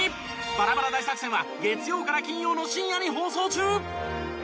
バラバラ大作戦は月曜から金曜の深夜に放送中。